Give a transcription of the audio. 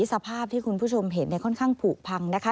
สภาพที่คุณผู้ชมเห็นค่อนข้างผูกพังนะคะ